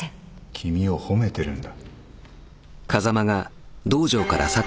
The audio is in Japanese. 君を褒めてるんだ。